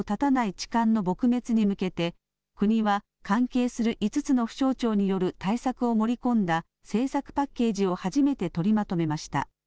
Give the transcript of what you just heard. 痴漢の撲滅に向けて国は関係する５つの府省庁による対策を盛り込んだ政策パッケージを初めて取りまとめました。